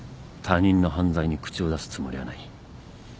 他人の犯罪に口を出すつもりはない。